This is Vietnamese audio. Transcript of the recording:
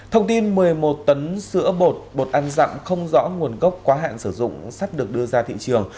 thông tin một mươi một tấn sữa bột bột ăn dặm không rõ nguồn gốc quá hạn sử dụng sắp được đưa ra thị trường